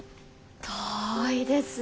遠いですね。